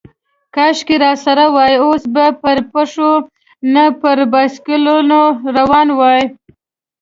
کاشکې راسره وای، اوس به پر پښو، نه پر بایسکلونو روان وای.